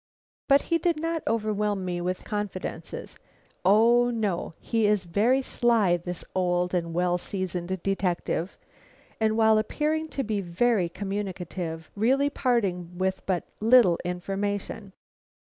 But he did not overwhelm me with confidences. O, no, he is very sly, this old and well seasoned detective; and while appearing to be very communicative, really parted with but little information.